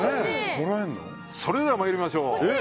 それでは参りましょう。